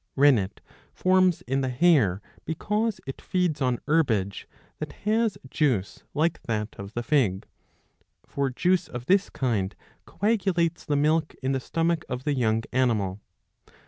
Rennet forms in the hare because it feeds on^ herbage that has juice like that of the fig. For juice of this kind coagulates the milk in the stomach of the young animal.